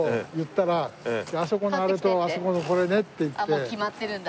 あっもう決まってるんだ。